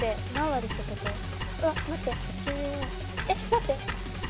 待って。